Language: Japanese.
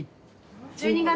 １２月。